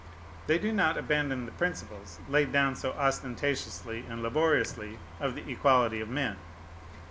They do not abandon the principles, laid down so ostentatiously and laboriously, of the equality of men.